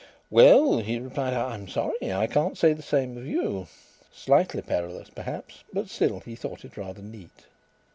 "Well," he replied, "I'm sorry I can't say the same of you." Slightly perilous perhaps, but still he thought it rather neat.